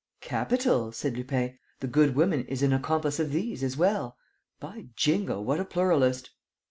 "Capital!" said Lupin. "The good woman is an accomplice of these as well. By Jingo, what a pluralist!"